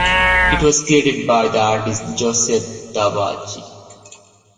It was created by the artist Josef Tabachnyk.